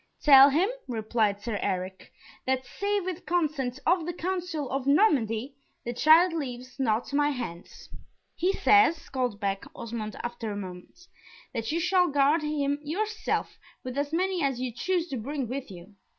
"Tell him," replied Sir Eric, "that save with consent of the council of Normandy, the child leaves not my hands." "He says," called back Osmond, after a moment, "that you shall guard him yourself, with as many as you choose to bring with you.